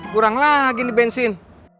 kurang lagi nih bensin